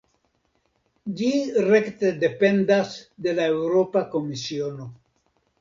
Ĝi rekte dependas de la Eŭropa Komisiono.